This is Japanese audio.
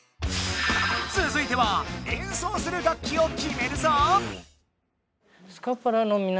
つづいては演奏する楽器を決めるぞ！